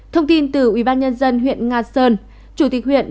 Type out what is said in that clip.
thông tin từ ubnd huyện nga sơn